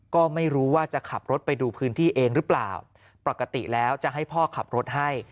ก็ไม่รู้ว่าจะขับรถไปดูพื้นที่เองหรือเปล่าปกติแล้วจะให้พ่อขับรถให้